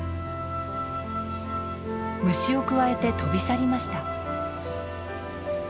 虫をくわえて飛び去りました。